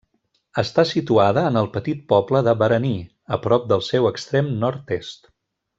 Està situada en el petit poble de Beraní, a prop del seu extrem nord-est.